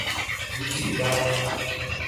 以取代。